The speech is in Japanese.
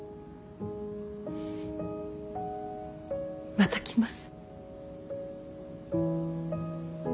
また来ます。